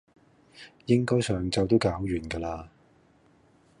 應該上晝都搞完㗎啦